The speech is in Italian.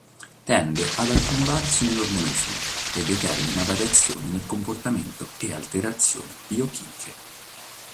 Tende ad accumularsi nell’organismo e determina variazioni nel comportamento e alterazioni biochimiche.